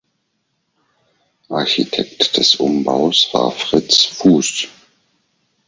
Architekt des Umbaus war Fritz Fuß.